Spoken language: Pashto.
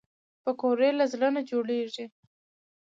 پکورې له زړه نه جوړېږي